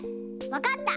わかった！